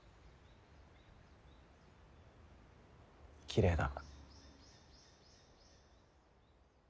きれいだ。